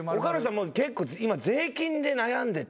もう結構今税金で悩んでて。